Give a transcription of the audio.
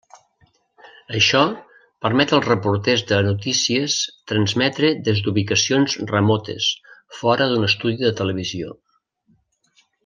Això permet als reporters de notícies transmetre des d'ubicacions remotes, fora d'un estudi de televisió.